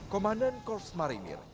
komandan korps marinir